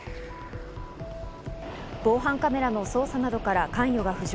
防犯カメラの捜査などから関与が浮上。